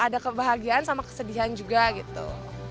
ada kebahagiaan sama kesedihan juga gitu